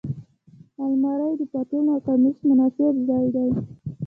الماري د پتلون او کمیس مناسب ځای دی